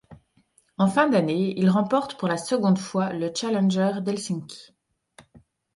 En fin d'année, il remporte pour la seconde fois le Challenger d'Helsinki.